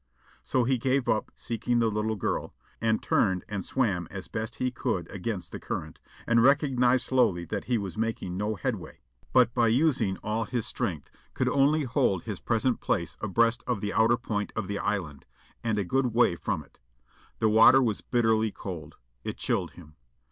So he gave up seeking the little girl, and turned and swam as best he could against the current, and recognised slowly that he was making no headway, but by using all his strength could only hold his present place abreast of the outer point of the island, and a good way from it. The water was bitterly cold; it chilled him.